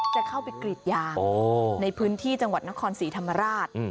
จะเข้าไปกรีดยางในพื้นที่จังหวัดนครศรีธรรมราช